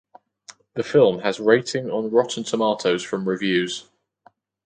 The film has rating on Rotten Tomatoes from reviews.